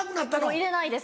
入れないです